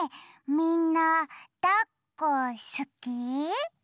みんなだっこすき？